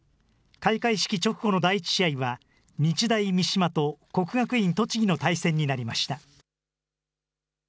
開会式直後の第１試合は日大三島と国学院栃木の対戦になりました。